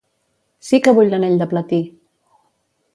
Sí que vull l'anell de platí!